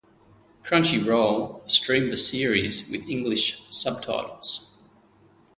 Crunchyroll streamed the series with English subtitles.